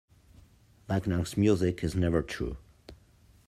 Wagner's music is never true.